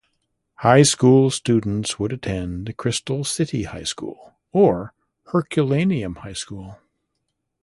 High school students would attend Crystal City High School or Herculaneum High School.